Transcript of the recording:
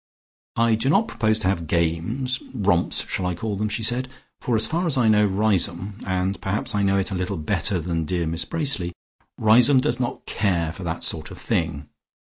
"I do not propose to have games, romps shall I call them?" she said, "for as far as I know Riseholme, and perhaps I know it a little better than dear Miss Bracely, Riseholme does not care for that sort of thing.